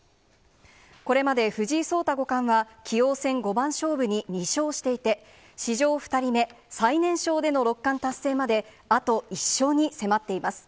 これまで藤井聡太五冠は、棋王戦五番勝負に２勝していて、史上２人目、最年少での六冠達成まであと１勝に迫っています。